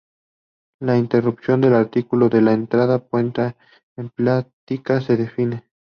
La interpretación del artículo de la entrada puesta en práctica-se define.